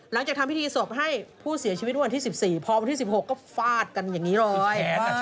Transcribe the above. หลังจากทำพิธีศพให้ผู้เสียชีวิตวันที่๑๔พอวันที่๑๖ก็ฟาดกันอย่างนี้เลย